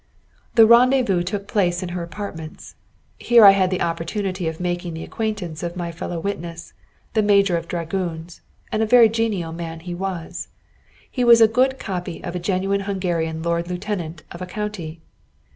The rendezvous took place in her apartments. Here I had the opportunity of making the acquaintance of my fellow witness, the major of dragoons, and a very genial man he was. He was a good copy of a genuine Hungarian lord lieutenant of a county.